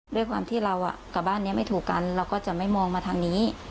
ด้วยความที่เรากลับบ้านนี้ไม่ถูกกันเราก็จะไม่มองมาทางนี้